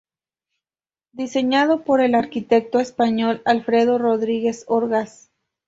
Diseñado por el arquitecto español Alfredo Rodríguez Orgaz.